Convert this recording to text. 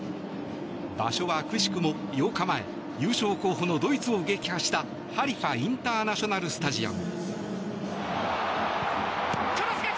場所はくしくも、８日前優勝候補のドイツを撃破したハリファインターナショナル・スタジアム。